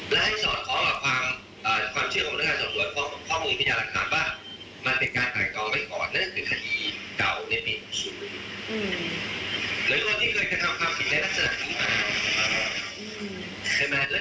และให้สอนเขามาฟังความเชื่อของพนักงานสวนอ้วนข้อมือพญาหลักค้ำว่า